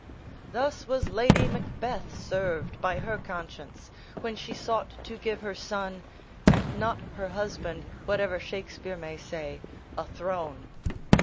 Thus was Lady Macbeth served by her conscience, when she sought to give her son, and not her husband (whatever Shakespeare may say), a throne.